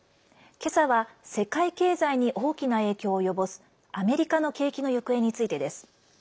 今朝は世界経済に大きな影響を及ぼすアメリカの景気の行方についてです。